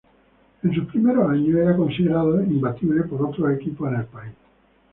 En sus primeros años era considerado imbatible por otros equipos en el país.